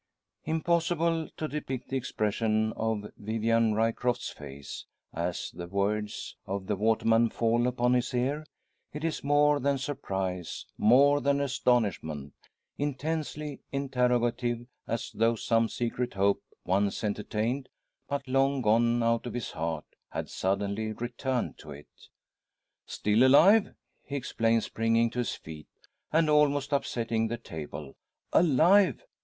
Impossible to depict the expression on Vivian Ryecroft's face, as the words of the waterman fall upon his ear. It is more than surprise more than astonishment intensely interrogative, as though some secret hope once entertained, but long gone out of his heart, had suddenly returned to it. "Still alive!" he exclaims, springing to his feet, and almost upsetting the table. "Alive!"